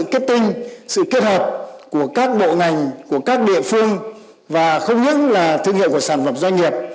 kết tinh sự kết hợp của các bộ ngành của các địa phương và không những là thương hiệu của sản phẩm doanh nghiệp